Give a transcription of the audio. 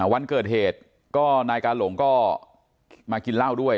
วันเกิดเหตุก็นายกาหลงก็มากินเหล้าด้วย